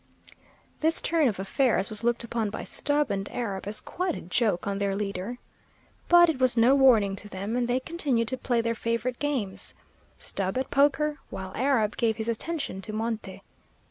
This turn of affairs was looked upon by Stubb and Arab as quite a joke on their leader. But it was no warning to them, and they continued to play their favorite games, Stubb at poker, while Arab gave his attention to monte.